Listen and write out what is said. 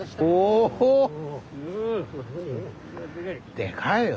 でかいよ。